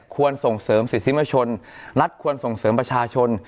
ส่งเสริมสิทธิมชนรัฐควรส่งเสริมประชาชน